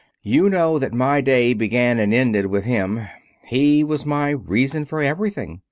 You know that my day began and ended with him. He was my reason for everything.